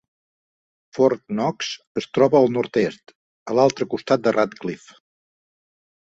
Fort Knox es troba al nord-est, a l'altre costat de Radcliff.